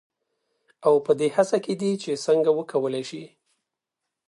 او پـه دې هـڅـه کې دي چـې څـنـګه وکـولـى شـي.